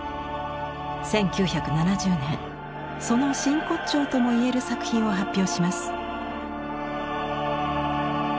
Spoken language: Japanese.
１９７０年その真骨頂ともいえる作品を発表します。